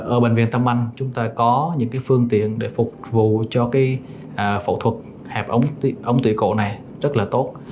ở bệnh viện tâm anh chúng ta có những cái phương tiện để phục vụ cho cái phẫu thuật hẹp ống tủy cổ này rất là tốt